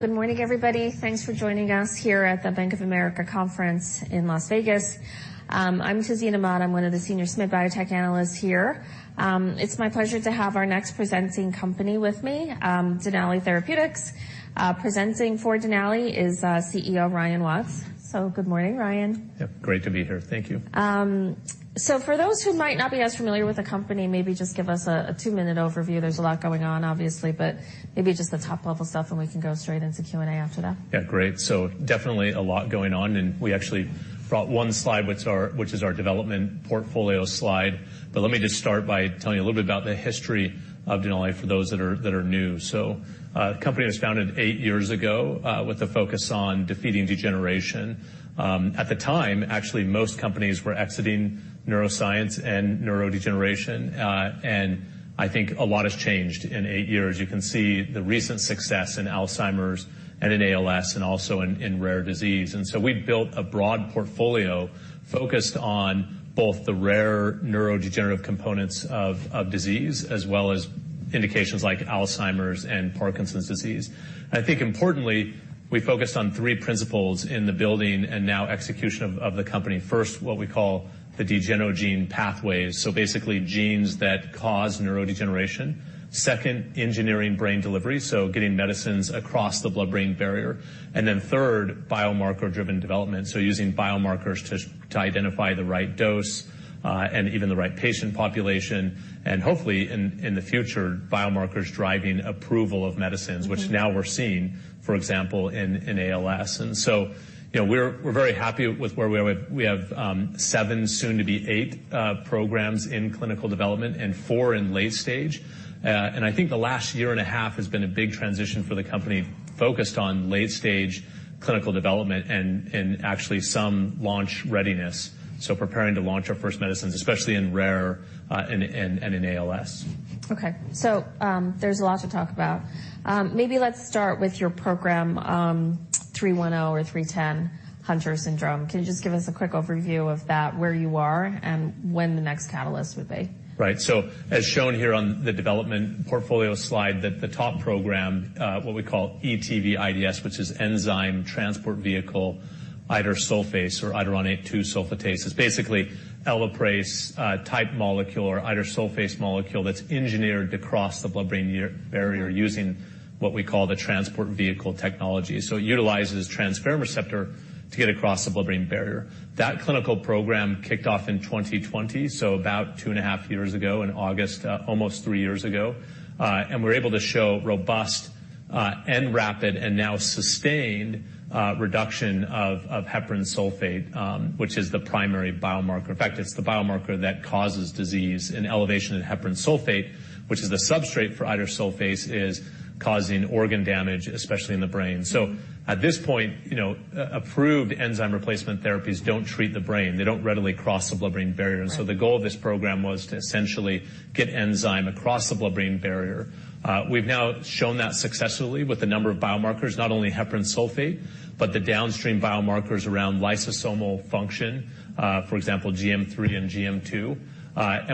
Good morning, everybody. Thanks for joining us here at the Bank of America conference in Las Vegas. I'm Tazeen Ahmad. I'm one of the senior SMid Biotech analysts here. It's my pleasure to have our next presenting company with me, Denali Therapeutics. Presenting for Denali is CEO Ryan Watts. Good morning, Ryan. Yep, great to be here. Thank you. For those who might not be as familiar with the company, maybe just give us a two minute overview. There's a lot going on, obviously, but maybe just the top-level stuff, and we can go straight into Q&A after that. Yeah, great. Definitely a lot going on, and we actually brought one slide, which is our development portfolio slide. Let me just start by telling you a little bit about the history of Denali for those that are new. The company was founded eight years ago with a focus on defeating degeneration. At the time, actually, most companies were exiting neuroscience and neurodegeneration, and I think a lot has changed in eight years. You can see the recent success in Alzheimer's and in ALS and also in rare disease. We've built a broad portfolio focused on both the rare neurodegenerative components of disease as well as indications like Alzheimer's and Parkinson's disease. I think importantly, we focused on three principles in the building and now execution of the company. First, what we call the degenogene pathways, so basically genes that cause neurodegeneration. Second, engineering brain delivery, so getting medicines across the blood-brain barrier. Third, biomarker-driven development, so using biomarkers to identify the right dose, and even the right patient population, and hopefully in the future, biomarkers driving approval of medicines. Mm-hmm. which now we're seeing, for example, in ALS. You know, we're very happy with where we are. We have seven, soon to be eight, programs in clinical development and four in late-stage. I think the last year and a half has been a big transition for the company focused on late-stage clinical development and actually some launch readiness, so preparing to launch our first medicines, especially in rare, and in ALS. There's a lot to talk about. Maybe let's start with your program, 310 or 310, Hunter syndrome. Can you just give us a quick overview of that, where you are, and when the next catalyst would be? Right. As shown here on the development portfolio slide that the top program, what we call ETV:IDS, which is Enzyme Transport Vehicle, idursulfase or iduronate 2-sulfatase. It's basically Elaprase type molecule or idursulfase molecule that's engineered across the blood-brain barrier using what we call the Transport Vehicle technology. It utilizes transferrin receptor to get across the blood-brain barrier. That clinical program kicked off in 2020, about two and a half years ago in August, almost three years ago. And we're able to show robust, and rapid and now sustained, reduction of heparan sulfate, which is the primary biomarker. In fact, it's the biomarker that causes disease. An elevation in heparan sulfate, which is the substrate for idursulfase, is causing organ damage, especially in the brain. At this point, you know, approved enzyme replacement therapies don't treat the brain. They don't readily cross the blood-brain barrier. Right. The goal of this program was to essentially get enzyme across the blood-brain barrier. We've now shown that successfully with a number of biomarkers, not only heparan sulfate, but the downstream biomarkers around lysosomal function, for example, GM3 and GM2.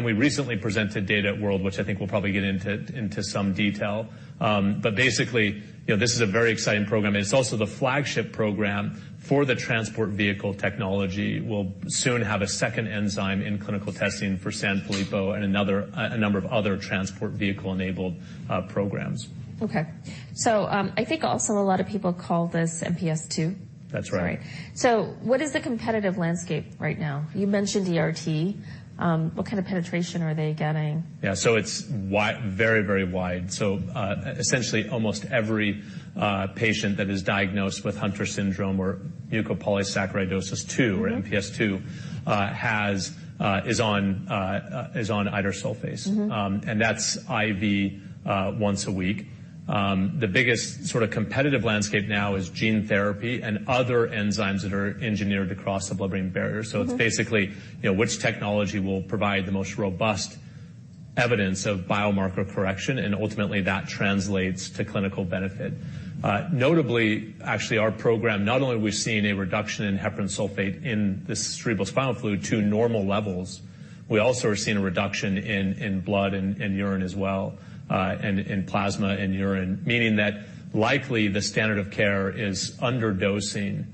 We recently presented data at World, which I think we'll probably get into some detail. Basically, you know, this is a very exciting program, and it's also the flagship program for the Transport Vehicle technology. We'll soon have a second enzyme in clinical testing for Sanfilippo and another number of other Transport Vehicle-enabled programs. I think also a lot of people call this MPS II. That's right. Sorry. What is the competitive landscape right now? You mentioned ERT. What kind of penetration are they getting? It's very, very wide. Essentially almost every patient that is diagnosed with Hunter syndrome or mucopolysaccharidosis type II. Mm-hmm. or MPS II, has, is on idursulfase. Mm-hmm. That's IV once a week. The biggest sort of competitive landscape now is gene therapy and other enzymes that are engineered across the blood-brain barrier. Mm-hmm. It's basically, you know, which technology will provide the most robust evidence of biomarker correction, and ultimately, that translates to clinical benefit. Notably, actually, our program, not only are we seeing a reduction in heparan sulfate in the cerebrospinal fluid to normal levels, we also are seeing a reduction in blood and urine as well, and in plasma and urine, meaning that likely the standard of care is underdosing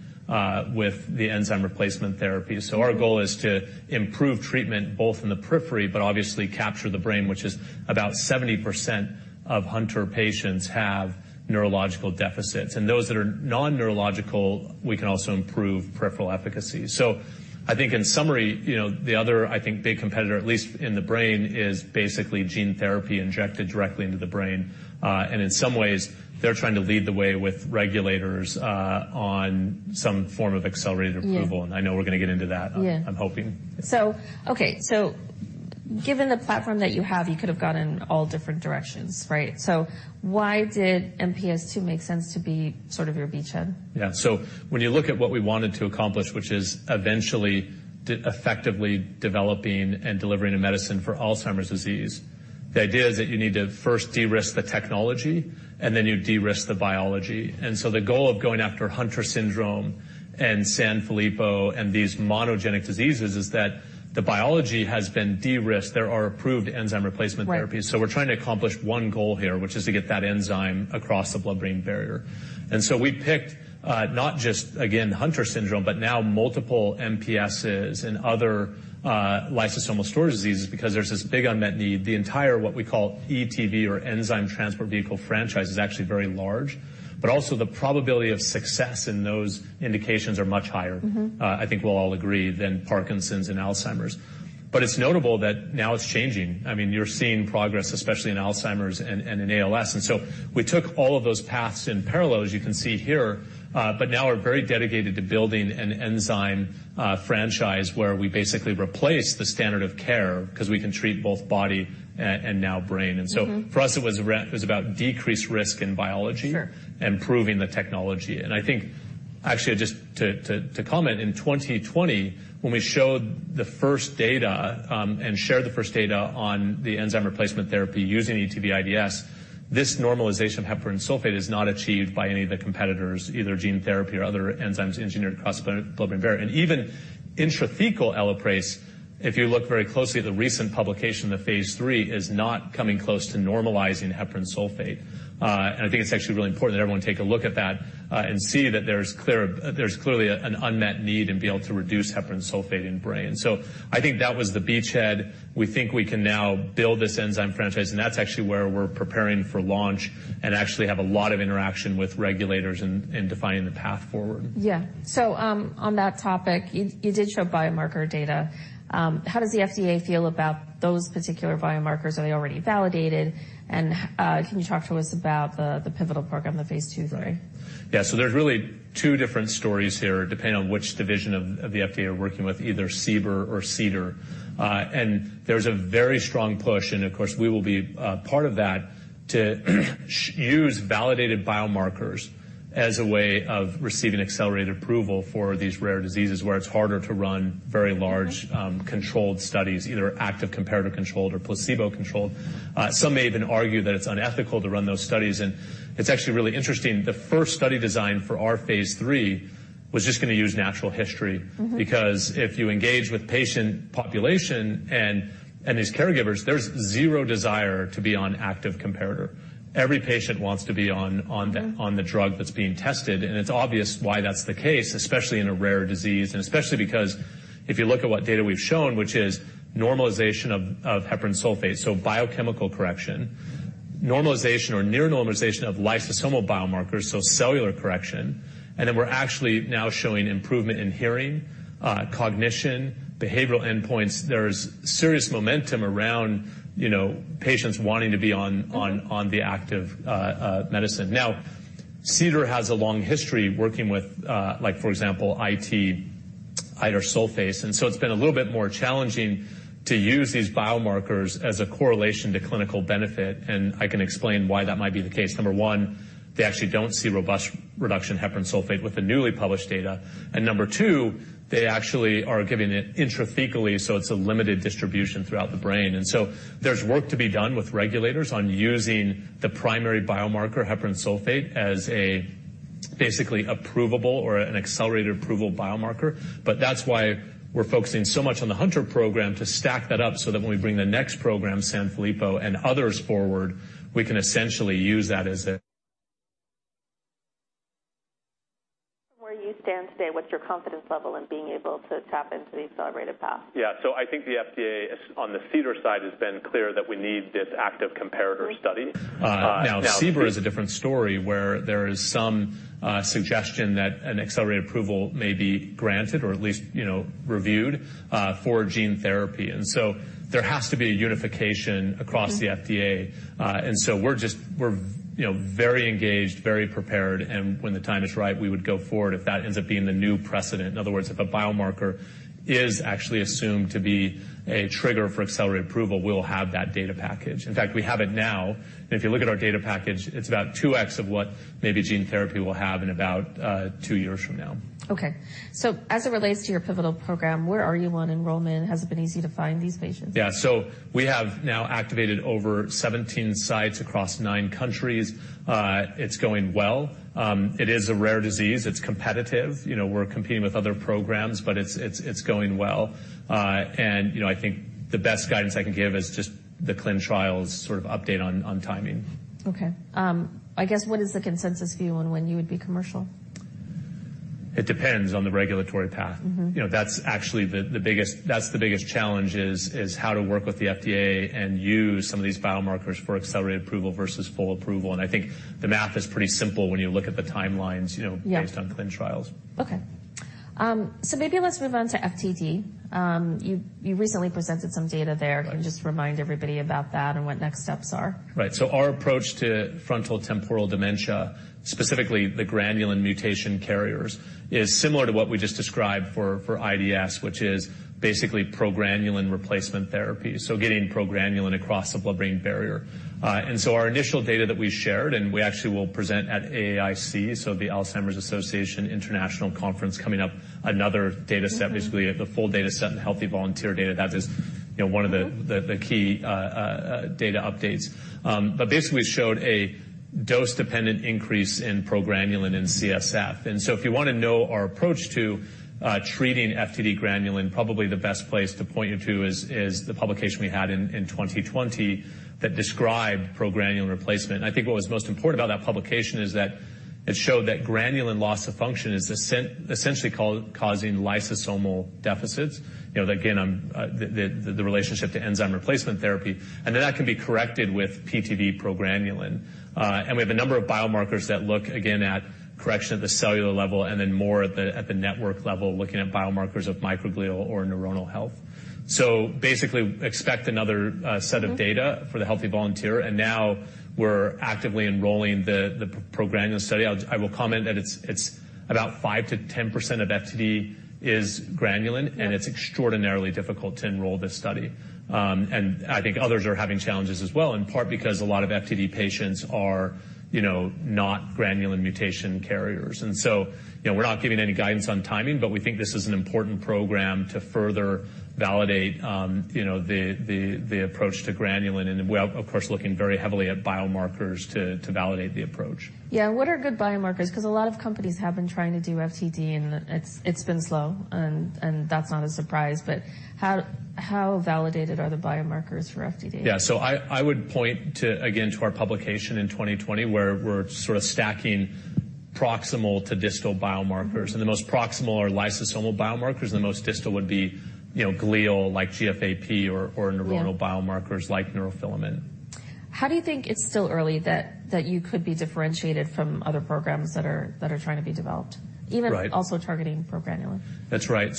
with the enzyme replacement therapy. Our goal is to improve treatment both in the periphery, but obviously capture the brain, which is about 70% of Hunter patients have neurological deficits. Those that are non-neurological, we can also improve peripheral efficacy. I think in summary, you know, the other, I think, big competitor, at least in the brain, is basically gene therapy injected directly into the brain. In some ways, they're trying to lead the way with regulators, on some form of accelerated approval. Yeah. I know we're going to get into that. Yeah. I'm hoping. Okay. Given the platform that you have, you could have gone in all different directions, right? Why did MPS II make sense to be sort of your beachhead? Yeah. When you look at what we wanted to accomplish, which is eventually effectively developing and delivering a medicine for Alzheimer's disease, the idea is that you need to first de-risk the technology, and then you de-risk the biology. The goal of going after Hunter syndrome and Sanfilippo and these monogenic diseases is that the biology has been de-risked. There are approved enzyme replacement therapies. Right. We're trying to accomplish one goal here, which is to get that enzyme across the blood-brain barrier. We picked not just, again, Hunter syndrome, but now multiple MPSs and other lysosomal storage diseases because there's this big unmet need. The entire, what we call ETV or Enzyme Transport Vehicle franchise is actually very large. The probability of success in those indications are much higher. Mm-hmm. I think we'll all agree, than Parkinson's and Alzheimer's. It's notable that now it's changing. I mean, you're seeing progress, especially in Alzheimer's and in ALS. We took all of those paths in parallel, as you can see here, but now are very dedicated to building an enzyme franchise where we basically replace the standard of care 'cause we can treat both body and now brain. Mm-hmm. For us, it was about decreased risk in biology. Sure... and proving the technology. I think actually just to comment, in 2020 when we showed the first data, and shared the first data on the enzyme replacement therapy using ETV:IDS, this normalization of heparan sulfate is not achieved by any of the competitors, either gene therapy or other enzymes engineered across the blood-brain barrier. Even intrathecal Elaprase, if you look very closely at the recent publication, the phase III is not coming close to normalizing heparan sulfate. I think it's actually really important that everyone take a look at that, and see that there's clearly an unmet need in being able to reduce heparan sulfate in brain. I think that was the beachhead. We think we can now build this enzyme franchise, and that's actually where we're preparing for launch and actually have a lot of interaction with regulators in defining the path forward. On that topic, you did show biomarker data. How does the FDA feel about those particular biomarkers? Are they already validated? Can you talk to us about the pivotal program, the phase II study? Yeah. There's really 2 different stories here depending on which division of the FDA we're working with, either CBER or CDER. There's a very strong push, and of course, we will be part of that, to use validated biomarkers as a way of receiving accelerated approval for these rare diseases where it's harder to run very large- Okay controlled studies, either active comparative controlled or placebo-controlled. Some may even argue that it's unethical to run those studies, and it's actually really interesting. The first study design for our phase three was just gonna use natural history. Mm-hmm. If you engage with patient population and these caregivers, there's zero desire to be on active comparator. Every patient wants to be on the. Mm-hmm... on the drug that's being tested, and it's obvious why that's the case, especially in a rare disease, and especially because if you look at what data we've shown, which is normalization of heparan sulfate, so biochemical correction, normalization or near normalization of lysosomal biomarkers, so cellular correction, and then we're actually now showing improvement in hearing, cognition, behavioral endpoints. There's serious momentum around, you know, patients wanting to be on. Mm-hmm... on the active medicine. CDER has a long history working with, like for example, IT, idursulfase, and so it's been a little bit more challenging to use these biomarkers as a correlation to clinical benefit, and I can explain why that might be the case. Number one, they actually don't see robust reduction in heparan sulfate with the newly published data. Number two, they actually are giving it intrathecally, so it's a limited distribution throughout the brain. There's work to be done with regulators on using the primary biomarker, heparan sulfate, as a basically approvable or an accelerated approval biomarker. That's why we're focusing so much on the Hunter program to stack that up, so that when we bring the next program, Sanfilippo and others forward, we can essentially use that. From where you stand today, what's your confidence level in being able to tap into the accelerated path? Yeah. I think the FDA on the CDER side has been clear that we need this active comparator study. Mm-hmm. Now CBER is a different story, where there is some suggestion that an accelerated approval may be granted or at least, you know, reviewed for gene therapy. There has to be a unification across the FDA. Mm-hmm. We're just, we're, you know, very engaged, very prepared, and when the time is right, we would go forward if that ends up being the new precedent. In other words, if a biomarker is actually assumed to be a trigger for accelerated approval, we'll have that data package. In fact, we have it now. If you look at our data package, it's about 2x of what maybe gene therapy will have in about, two years from now. Okay. As it relates to your pivotal program, where are you on enrollment? Has it been easy to find these patients? Yeah. We have now activated over 17 sites across nine countries. It's going well. It is a rare disease. It's competitive. You know, we're competing with other programs, but it's going well. You know, I think the best guidance I can give is just the clin trials sort of update on timing. Okay. I guess what is the consensus view on when you would be commercial? It depends on the regulatory path. Mm-hmm. You know, that's actually the biggest challenge is how to work with the FDA and use some of these biomarkers for accelerated approval versus full approval. I think the math is pretty simple when you look at the timelines, you know. Yeah... based on clin trials. Okay. maybe let's move on to FTD. you recently presented some data there. Right. Can you just remind everybody about that and what next steps are? Right. Our approach to Frontotemporal Dementia, specifically the granulin mutation carriers, is similar to what we just described for IDS, which is basically progranulin replacement therapy, so getting progranulin across the blood-brain barrier. Our initial data that we shared, and we actually will present at AAIC, so the Alzheimer's Association International Conference coming up, another data set. Mm-hmm. Basically, the full data set and healthy volunteer data. That is, you know, one of the-. Mm-hmm. the key data updates. Basically showed a dose-dependent increase in progranulin and CSF. If you wanna know our approach to treating FTD-GRN, probably the best place to point you to is the publication we had in 2020 that described progranulin replacement. I think what was most important about that publication is that it showed that granulin loss of function is essentially causing lysosomal deficits. You know, again, the relationship to enzyme replacement therapy, that can be corrected with PTV:PGRN. We have a number of biomarkers that look again at correction at the cellular level and then more at the network level, looking at biomarkers of microglial or neuronal health. Basically expect another set of data- Mm-hmm. -for the healthy volunteer, now we're actively enrolling the progranulin study. I will comment that it's about 5%-10% of FTD is granulin, and it's extraordinarily difficult to enroll this study. I think others are having challenges as well, in part because a lot of FTD patients are, you know, not granulin mutation carriers. You know, we're not giving any guidance on timing, but we think this is an important program to further validate, you know, the approach to granulin. We're of course looking very heavily at biomarkers to validate the approach. Yeah. What are good biomarkers? Cause a lot of companies have been trying to do FTD, and it's been slow and that's not a surprise. How validated are the biomarkers for FTD? Yeah. I would point to, again, to our publication in 2020, where we're sort of stacking proximal to distal biomarkers. The most proximal are lysosomal biomarkers, and the most distal would be, you know, glial, like GFAP or neuronal- Yeah. biomarkers, like neurofilament. How do you think it's still early that you could be differentiated from other programs that are trying to be developed? Right. Even also targeting progranulin. That's right.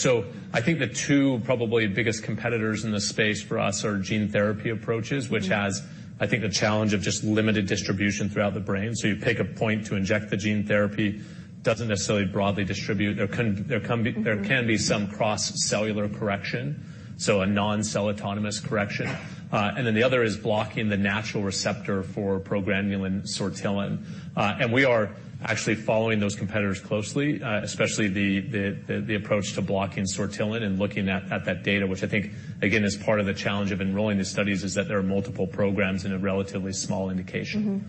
I think the two probably biggest competitors in this space for us are gene therapy approaches. Mm-hmm. Which has, I think, the challenge of just limited distribution throughout the brain. You pick a point to inject the gene therapy, doesn't necessarily broadly distribute. There can be... Mm-hmm. There can be some cross-cellular correction, so a non-cell autonomous correction. Then the other is blocking the natural receptor for progranulin sortilin. We are actually following those competitors closely, especially the approach to blocking sortilin and looking at that data, which I think, again, is part of the challenge of enrolling the studies, is that there are multiple programs in a relatively small indication.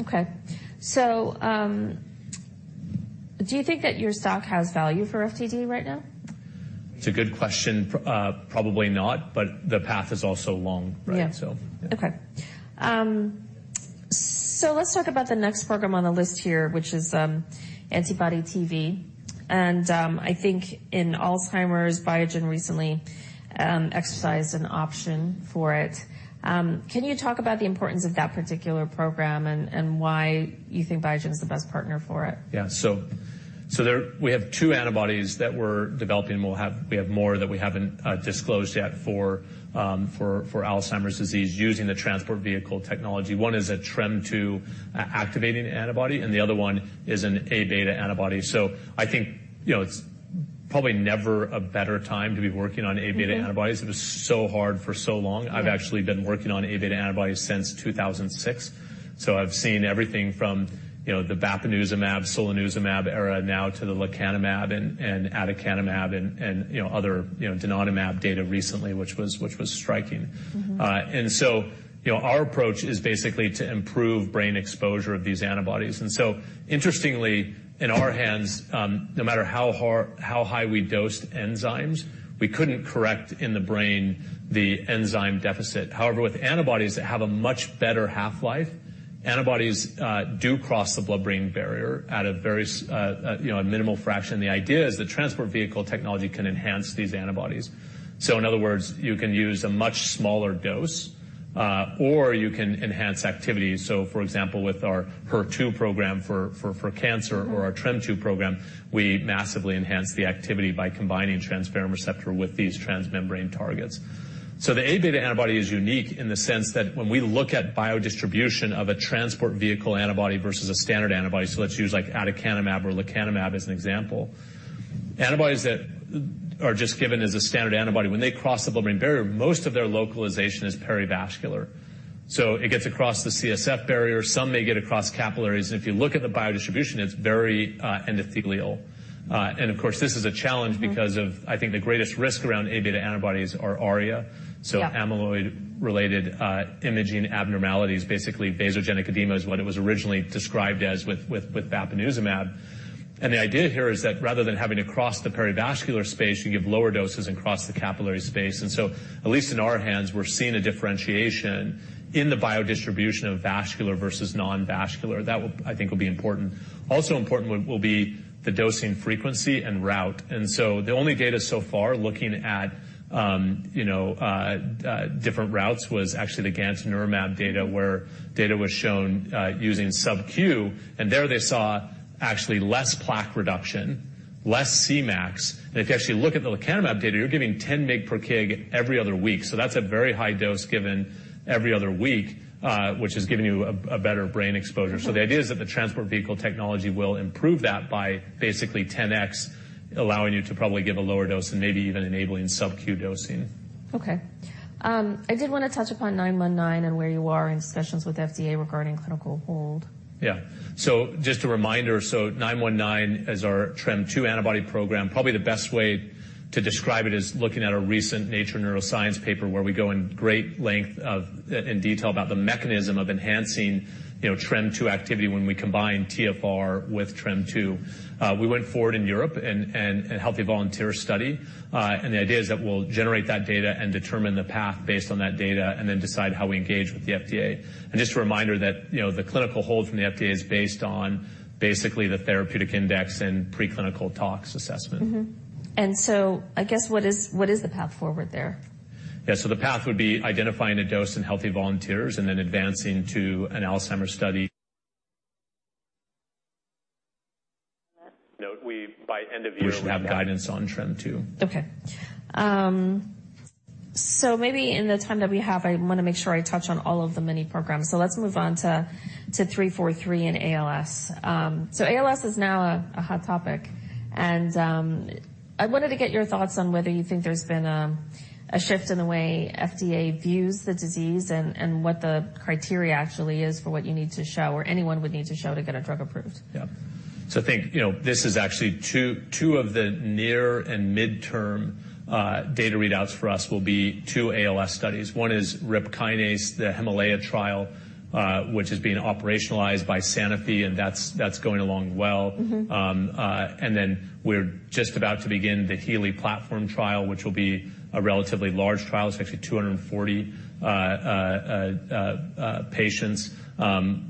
Okay. Do you think that your stock has value for FTD right now? It's a good question. Probably not, but the path is also long, right? Yeah. So. Okay. Let's talk about the next program on the list here, which is Antibody TV. I think in Alzheimer's, Biogen recently exercised an option for it. Can you talk about the importance of that particular program and why you think Biogen's the best partner for it? Yeah. There we have two antibodies that we're developing, and we have more that we haven't disclosed yet for Alzheimer's disease using the Transport Vehicle technology. One is a TREM2 a-activating antibody, and the other one is an Aβ antibody. I think, you know, it's probably never a better time to be working on Aβ antibodies. Mm-hmm. It was so hard for so long. Yeah. I've actually been working on Aβ antibodies since 2006, so I've seen everything from, you know, the bapineuzumab, solanezumab era now to the lecanemab and aducanumab and, you know, other, you know, donanemab data recently, which was striking. Mm-hmm. You know, our approach is basically to improve brain exposure of these antibodies. Interestingly, in our hands, no matter how high we dosed enzymes, we couldn't correct in the brain the enzyme deficit. However, with antibodies that have a much better half-life, antibodies do cross the blood-brain barrier at a very, you know, a minimal fraction. The idea is that Transport Vehicle technology can enhance these antibodies. In other words, you can use a much smaller dose or you can enhance activity. For example, with our ATV:HER2 program for cancer or our TREM2 program, we massively enhance the activity by combining transferrin receptor with these transmembrane targets. The Aβ antibody is unique in the sense that when we look at biodistribution of a transport vehicle antibody versus a standard antibody, so let's use like aducanumab or lecanemab as an example. Antibodies that are just given as a standard antibody, when they cross the blood-brain barrier, most of their localization is perivascular. It gets across the CSF barrier. Some may get across capillaries, and if you look at the biodistribution, it's very endothelial. Of course, this is a challenge. Mm-hmm. I think, the greatest risk around Aβ antibodies are ARIA. Yeah. Amyloid related imaging abnormalities. Basically vasogenic edema is what it was originally described as with bapineuzumab. The idea here is that rather than having to cross the perivascular space, you give lower doses and cross the capillary space. At least in our hands, we're seeing a differentiation in the biodistribution of vascular versus non-vascular. That will, I think, be important. Also important will be the dosing frequency and route. The only data so far looking at, you know, different routes was actually the gantenerumab data, where data was shown using Sub-Q. And there they saw actually less plaque reduction, less Cmax. If you actually look at the lecanemab data, you're giving 10 mg per kg every other week, so that's a very high dose given every other week, which is giving you a better brain exposure. Mm-hmm. The idea is that the Transport Vehicle technology will improve that by basically 10x, allowing you to probably give a lower dose and maybe even enabling Sub-Q dosing. Okay. I did wanna touch upon DNL919 and where you are in discussions with FDA regarding clinical hold. Yeah. Just a reminder, DNL919 is our TREM2 antibody program. Probably the best way to describe it is looking at a recent Nature Neuroscience paper where we go in detail about the mechanism of enhancing, you know, TREM2 activity when we combine TFR with TREM2. We went forward in Europe in a healthy volunteer study. The idea is that we'll generate that data and determine the path based on that data, and then decide how we engage with the FDA. Just a reminder that, you know, the clinical hold from the FDA is based on basically the therapeutic index and preclinical tox assessment. Mm-hmm. I guess what is the path forward there? Yeah, the path would be identifying a dose in healthy volunteers and then advancing to an Alzheimer's study. On that. Note by end of year, we should have guidance on TREM2. Maybe in the time that we have, I wanna make sure I touch on all of the many programs. Let's move on to DNL343 and ALS. ALS is now a hot topic, and I wanted to get your thoughts on whether you think there's been a shift in the way FDA views the disease and what the criteria actually is for what you need to show or anyone would need to show to get a drug approved. Yeah. I think, you know, this is actually two of the near and midterm data readouts for us will be two ALS studies. One is RIP Kinase, the HIMALAYA trial, which is being operationalized by Sanofi, and that's going along well. Mm-hmm. Then we're just about to begin the HEALEY ALS Platform Trial, which will be a relatively large trial. It's actually 240 patients,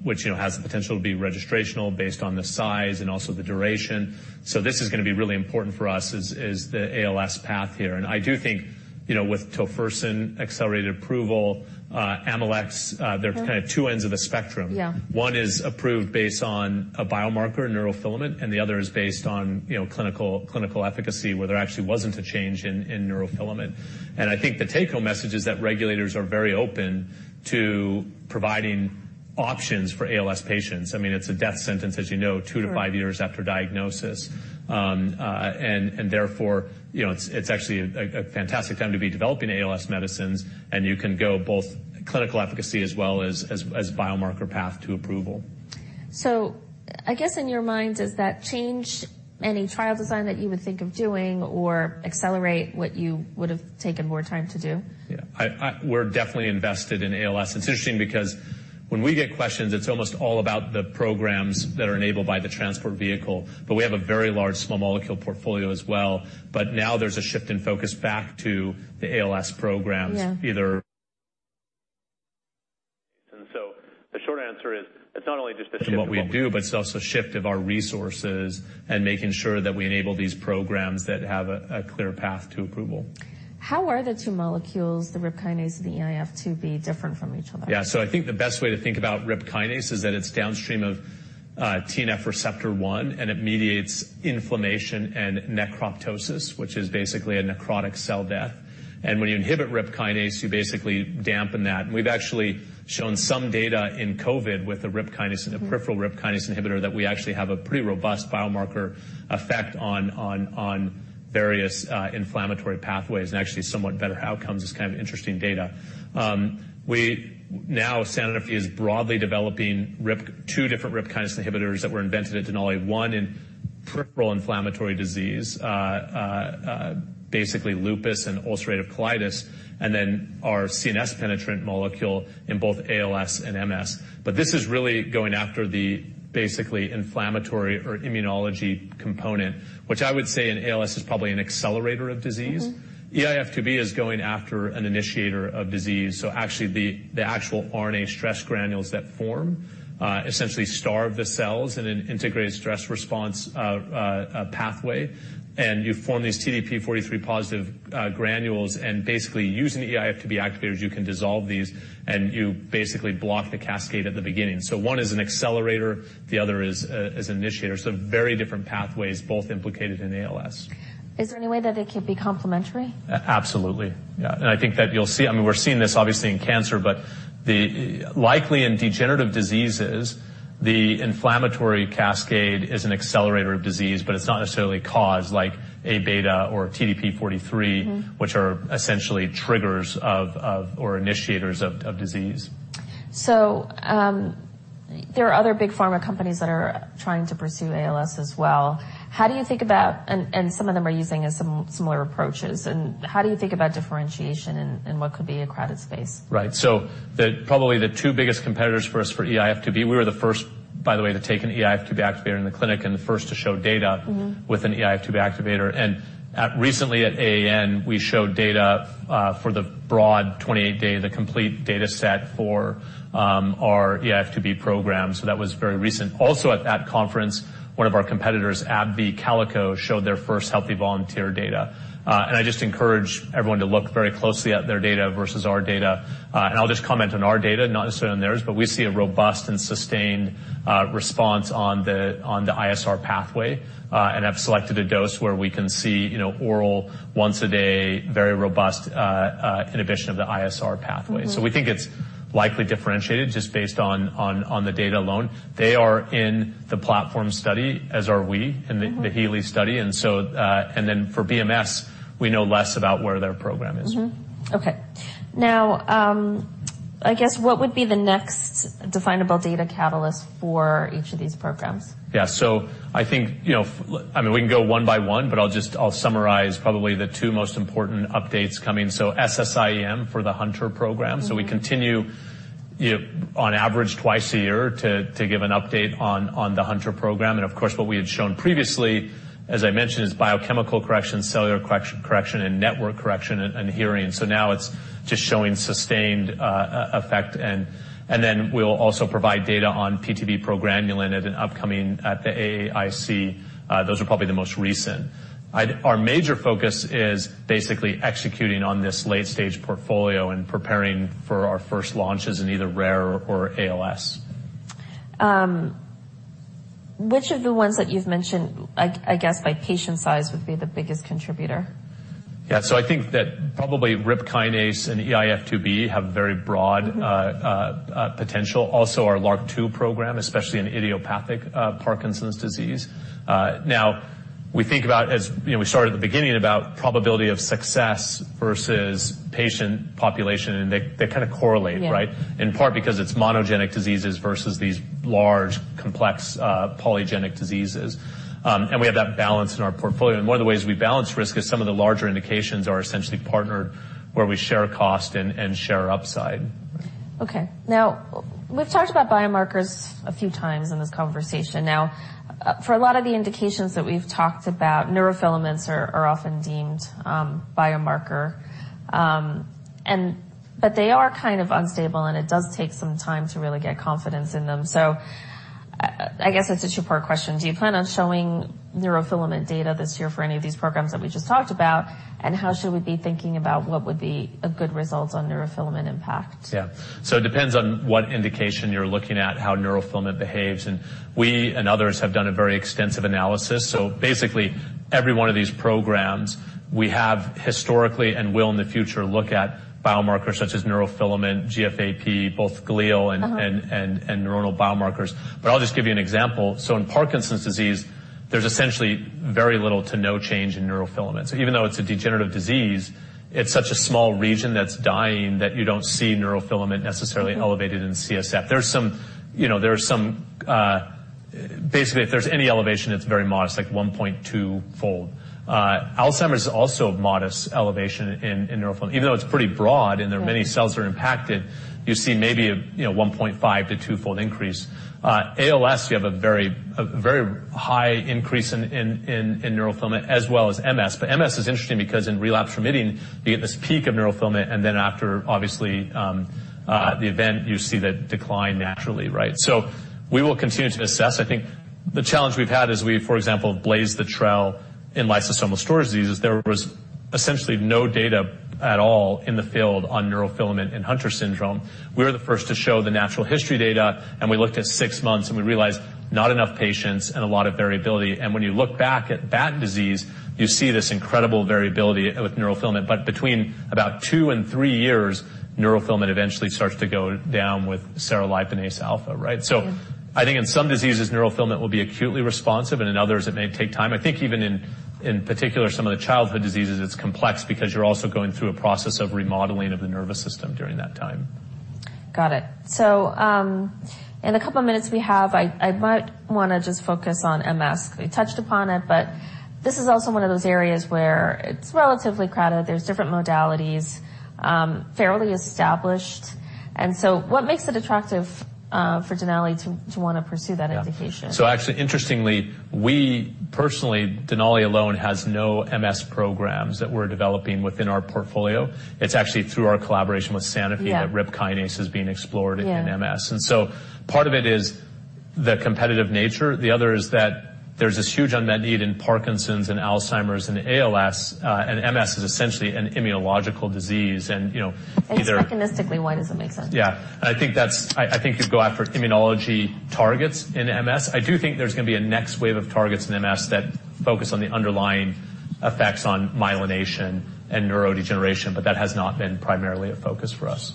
which, you know, has the potential to be registrational based on the size and also the duration. This is gonna be really important for us is the ALS path here. I do think, you know, with tofersen accelerated approval, AMX0035, they're kind of two ends of a spectrum. Yeah. One is approved based on a biomarker neurofilament, and the other is based on, you know, clinical efficacy where there actually wasn't a change in neurofilament. I think the take-home message is that regulators are very open to providing options for ALS patients. I mean, it's a death sentence, as you know. Right two to five years after diagnosis. Therefore, you know, it's actually a fantastic time to be developing ALS medicines, and you can go both clinical efficacy as well as biomarker path to approval. I guess in your mind, does that change any trial design that you would think of doing or accelerate what you would've taken more time to do? Yeah. I. We're definitely invested in ALS. It's interesting because when we get questions, it's almost all about the programs that are enabled by the Transport Vehicle, but we have a very large small molecule portfolio as well. Now there's a shift in focus back to the ALS programs... Yeah ...either. The short answer is it's not only just a shift in what we do, but it's also a shift of our resources and making sure that we enable these programs that have a clear path to approval. How are the two molecules, the RIP Kinase and the eIF2B different from each other? I think the best way to think about RIP Kinase is that it's downstream of TNF receptor 1, and it mediates inflammation and necroptosis, which is basically a necrotic cell death. When you inhibit RIP Kinase, you basically dampen that. We've actually shown some data in COVID with a RIP Kinase... Mm-hmm ...a peripheral RIP Kinase inhibitor that we actually have a pretty robust biomarker effect on various inflammatory pathways and actually somewhat better outcomes. It's kind of interesting data. Sanofi is broadly developing two different RIP Kinase inhibitors that were invented at Denali. One in peripheral inflammatory disease, basically lupus and ulcerative colitis, and then our CNS penetrant molecule in both ALS and MS. This is really going after the basically inflammatory or immunology component, which I would say in ALS is probably an accelerator of disease. Mm-hmm. eIF2B is going after an initiator of disease, so actually the actual RNA stress granules that form, essentially starve the cells in an integrated stress response pathway. You form these TDP-43 positive granules, and basically using the eIF2B activators, you can dissolve these, and you basically block the cascade at the beginning. One is an accelerator, the other is an initiator, so very different pathways both implicated in ALS. Is there any way that they could be complementary? Absolutely, yeah. I think that you'll see, I mean, we're seeing this obviously in cancer, but the likely in degenerative diseases, the inflammatory cascade is an accelerator of disease, but it's not necessarily caused like Aβ or TDP-43… Mm-hmm ...which are essentially triggers of or initiators of disease. There are other big pharma companies that are trying to pursue ALS as well. How do you think about... Some of them are using similar approaches. How do you think about differentiation in what could be a crowded space? Right. The, probably the two biggest competitors for us for eIF2B, we were the first, by the way, to take an eIF2B activator in the clinic and the first to show data... Mm-hmm ...with an eIF2B activator. Recently at AAN, we showed data for the broad 28 data, the complete data set for our eIF2B program, so that was very recent. Also at that conference, one of our competitors, AbbVie, Calico, showed their first healthy volunteer data. I just encourage everyone to look very closely at their data versus our data. I'll just comment on our data, not necessarily on theirs, but we see a robust and sustained response on the ISR pathway, and have selected a dose where we can see, you know, oral once a day, very robust inhibition of the ISR pathway. Mm-hmm. We think it's likely differentiated just based on the data alone. They are in the platform study, as are we. Mm-hmm ...in the HEALEY study. Then for BMS, we know less about where their program is. Mm-hmm. Okay. Now, I guess what would be the next definable data catalyst for each of these programs? Yeah. I think, you know, I mean, we can go one by one, but I'll summarize probably the two most important updates coming. SSIEM for the Hunter program. Mm-hmm. We continue on average twice a year to give an update on the Hunter program. Of course, what we had shown previously, as I mentioned, is biochemical correction, cellular correction, and network correction and hearing. Now it's just showing sustained effect. Then we'll also provide data on PTV:PGRN progranulin at an upcoming at the AAIC. Those are probably the most recent. Our major focus is basically executing on this late stage portfolio and preparing for our first launches in either rare or ALS. Which of the ones that you've mentioned, I guess by patient size would be the biggest contributor? Yeah. I think that probably RIP Kinase and eIF2B have very broad- Mm-hmm. potential. Also our LRRK2 program, especially in idiopathic Parkinson's disease. Now we think about as, you know, we started at the beginning about probability of success versus patient population, and they kinda correlate, right? Yeah. In part because it's monogenic diseases versus these large, complex, polygenic diseases. We have that balance in our portfolio. One of the ways we balance risk is some of the larger indications are essentially partnered where we share cost and share upside. Okay. Now we've talked about biomarkers a few times in this conversation. Now, for a lot of the indications that we've talked about, neurofilaments are often deemed biomarker. They are kind of unstable, and it does take some time to really get confidence in them. I guess it's a two-part question. Do you plan on showing neurofilament data this year for any of these programs that we just talked about? How should we be thinking about what would be a good result on neurofilament impact? It depends on what indication you're looking at, how neurofilament behaves. We and others have done a very extensive analysis. Basically, every one of these programs we have historically and will in the future look at biomarkers such as neurofilament, GFAP. Uh-huh. and neuronal biomarkers. I'll just give you an example. In Parkinson's disease, there's essentially very little to no change in neurofilaments. Even though it's a degenerative disease, it's such a small region that's dying that you don't see neurofilament necessarily elevated in CSF. There's some, you know, there are some. Basically, if there's any elevation, it's very modest, like 1.2-fold. Alzheimer's is also modest elevation in neurofilament. Even though it's pretty broad and there are many cells are impacted, you see maybe a, you know, 1.5- to 2-fold increase. ALS, you have a very high increase in neurofilament as well as MS. MS is interesting because in relapse remitting, you get this peak of neurofilament, and then after obviously, the event, you see that decline naturally, right? We will continue to assess. I think the challenge we've had is we, for example, blazed the trail in lysosomal storage diseases. There was essentially no data at all in the field on neurofilament in Hunter syndrome. We were the first to show the natural history data, and we looked at six months, and we realized not enough patients and a lot of variability. When you look back at that disease, you see this incredible variability with neurofilament. Between about two and three years, neurofilament eventually starts to go down with cerliponase alfa, right? Mm-hmm. I think in some diseases, neurofilament will be acutely responsive, and in others it may take time. I think even in particular, some of the childhood diseases, it's complex because you're also going through a process of remodeling of the nervous system during that time. Got it. In the couple of minutes we have, I might wanna just focus on MS. We touched upon it, this is also one of those areas where it's relatively crowded. There's different modalities, fairly established. What makes it attractive for Denali to wanna pursue that indication? Yeah. Actually, interestingly, personally, Denali alone has no MS programs that we're developing within our portfolio. It's actually through our collaboration with Sanofi. Yeah. that RIP Kinase is being explored in MS. Yeah. Part of it is the competitive nature. The other is that there's this huge unmet need in Parkinson's and Alzheimer's and ALS. MS is essentially an immunological disease. you know. Just mechanistically, why does it make sense? Yeah. I think you go after immunology targets in MS. I do think there's gonna be a next wave of targets in MS that focus on the underlying effects on myelination and neurodegeneration, but that has not been primarily a focus for us.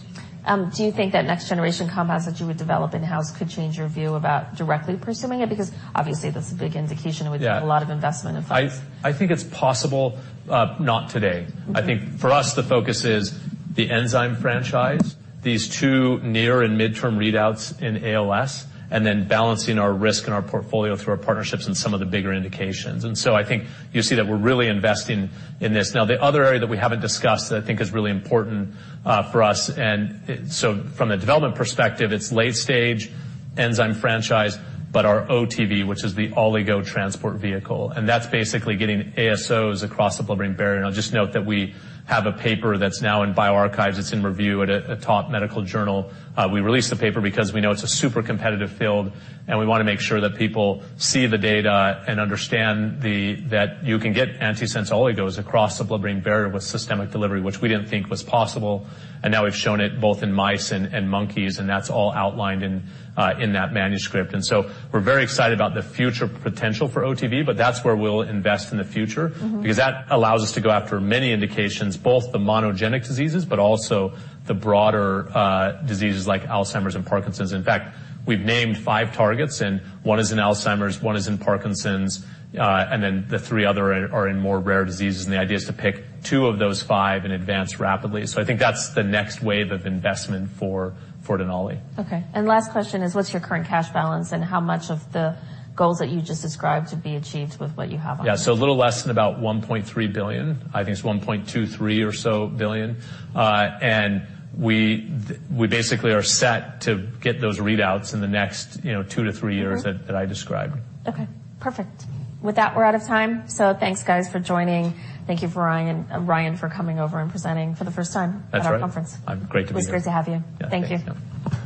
Do you think that next generation compounds that you would develop in-house could change your view about directly pursuing it? Obviously, that's a big indication. Yeah. with a lot of investment in focus. I think it's possible. Not today. Mm-hmm. I think for us, the focus is the enzyme franchise, these two near and midterm readouts in ALS, and then balancing our risk and our portfolio through our partnerships in some of the bigger indications. I think you'll see that we're really investing in this. The other area that we haven't discussed that I think is really important for us, from a development perspective, it's late stage enzyme franchise, but our OTV, which is the oligonucleotide transport vehicle, and that's basically getting ASOs across the blood-brain barrier. I'll just note that we have a paper that's now in bioRxiv. It's in review at a top medical journal. We released the paper because we know it's a super competitive field, and we wanna make sure that people see the data and understand that you can get antisense oligos across the blood-brain barrier with systemic delivery, which we didn't think was possible. Now we've shown it both in mice and monkeys, and that's all outlined in that manuscript. We're very excited about the future potential for OTV, but that's where we'll invest in the future. Mm-hmm. That allows us to go after many indications, both the monogenic diseases, but also the broader diseases like Alzheimer's and Parkinson's. We've named five targets, and one is in Alzheimer's, one is in Parkinson's, and then the three other are in more rare diseases. The idea is to pick two of those five and advance rapidly. I think that's the next wave of investment for Denali. Okay. Last question is, what's your current cash balance, and how much of the goals that you just described to be achieved with what you have on hand? Yeah. A little less than about $1.3 billion. I think it's $1.23 billion. We basically are set to get those readouts in the next, you know, two to three years- Mm-hmm. that I described. Okay. Perfect. With that, we're out of time. Thanks, guys, for joining. Thank you for Ryan for coming over and presenting for the first time... That's right. at our conference. Great to be here. It was great to have you. Yeah. Thanks. Thank you.